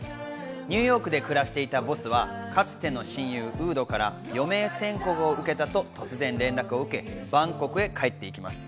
ニューヨークで暮らしていたボスはかつての親友・ウードから余命宣告を受けたと突然連絡を受け、バンコクへ帰っていきます。